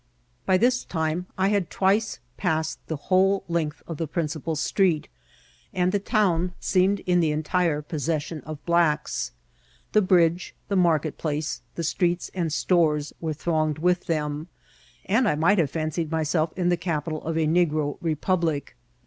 By this time I had twiee passed <he whole length irf Ibe prineipal street, and the town seemed in the entire possession of blacks. , The bridge, the market fdaee, 12 INCIDENTS OF TRAVEL. the Streets and stores were thronged with them, and I might have fancied myself in the capital of a negro re« public.